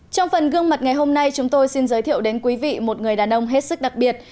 trong phần gương mặt ngày hôm nay chúng tôi xin giới thiệu đến quý vị một người đàn ông hết sức đặc biệt